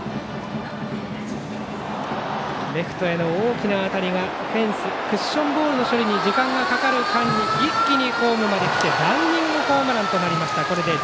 レフトへの大きな当たりがフェンスクッションボールの処理に時間がかかった間に一気にホームまで来てランニングホームランとなり２対１。